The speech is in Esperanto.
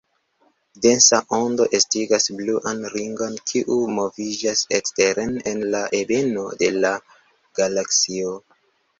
Densa ondo estigas bluan ringon, kiu moviĝas eksteren en la ebeno de la galaksio.